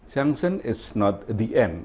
sanksi ini bukan akhir